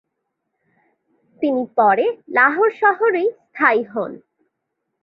তিনি পরে লাহোর শহরেই স্থায়ী হোন।